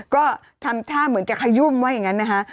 ก็ทำท่าเหมือนจะขยุ่มว่าอย่างนั้นนะคะ